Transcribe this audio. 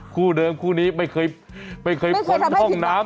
คู่เดิมคู่นี้ไม่เคยพ้นห้องน้ำ